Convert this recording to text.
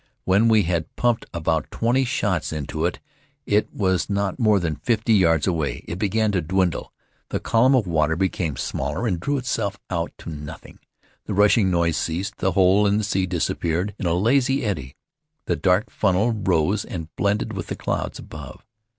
When we had pumped about twenty shots into it, and it was not more than fifty yards away, it began to dwindle. The column of water became smaller and drew itself out to nothing; the rushing noise ceased; the hole in the sea disappeared in a lazy eddy; the dark funnel rose and blended with the clouds above.